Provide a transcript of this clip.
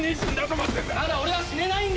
まだ俺は死ねないんだ！